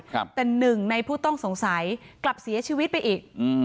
แต่หนึ่งในผู้ต้องสงสัยกลับเสียชีวิตไปอีกอืม